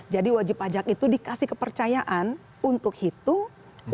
jadi wajib pajak itu dikasih kepercayaan untuk hitung